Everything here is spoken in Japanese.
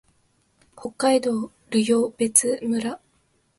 北海道留夜別村